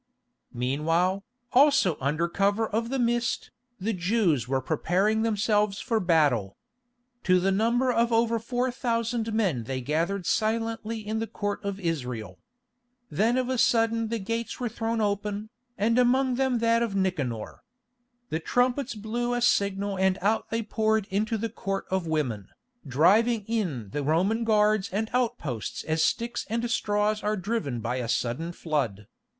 Meanwhile, also under cover of the mist, the Jews were preparing themselves for battle. To the number of over four thousand men they gathered silently in the Court of Israel. Then of a sudden the gates were thrown open, and among them that of Nicanor. The trumpets blew a signal and out they poured into the Court of Women, driving in the Roman guards and outposts as sticks and straws are driven by a sudden flood.